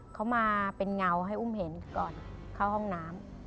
เขามาเป็นเงาให้อุ้มเห็นก่อนเข้าห้องน้ำ